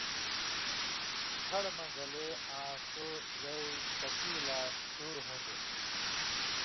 کھڑہۡ مہ گیلیۡ آں سو زئ ٹِکئ لا سُور ہُون٘دیۡ۔